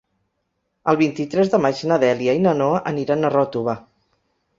El vint-i-tres de maig na Dèlia i na Noa aniran a Ròtova.